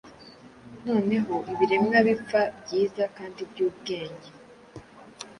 Noneho Ibiremwa bipfa, byiza kandi byubwenge,